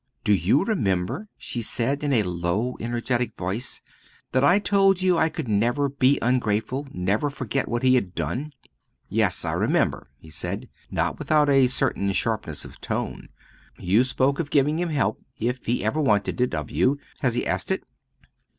"Do you remember," she said, in a low, energetic voice, "that I told you I could never be ungrateful, never forget what he had done?" "Yes, I remember," he said, not without a certain sharpness of tone. "You spoke of giving him help if he ever asked it of you has he asked it?"